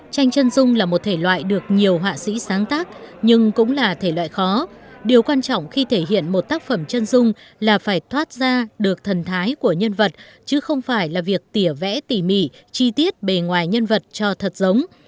tranh chân dung là một thể loại được nhiều họa sĩ sáng tác nhưng cũng là thể loại khó điều quan trọng khi thể hiện một tác phẩm chân dung là phải thoát ra được thần thái của nhân vật chứ không phải là việc tỉa vẽ tỉ mỉ chi tiết bề ngoài nhân vật cho thật giống